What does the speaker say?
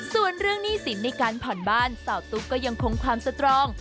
ส่วนเรื่องหนี้สินในการผ่อนบ้านสาวตุ๊กก็ยังคงความสตรอง